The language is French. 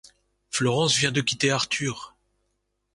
Florence vient de quitter Arthur.